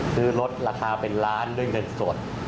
ลดราคาเป็นล้านด้วยเงินสด